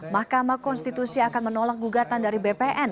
mahkamah konstitusi akan menolak gugatan dari bpn